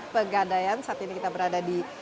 pegadaian saat ini kita berada di